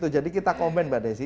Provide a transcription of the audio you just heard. jadi kita komen mbak desi